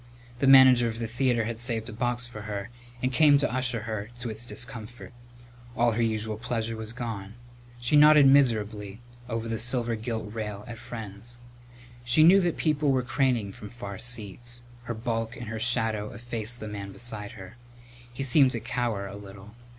The manager of the theatre had saved a box for her and came to usher her to its discomfort. But all her usual pleasure was gone. She nodded miserably over the silver gilt rail at friends. She knew that people were craning from far seats. Her bulk and her shadow effaced the man beside her. He seemed to cower a little.